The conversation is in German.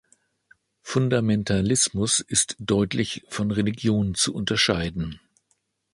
Fundamentalismus ist deutlich von Religion zu unterscheiden.